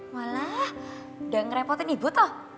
malah udah ngerepotin ibu toh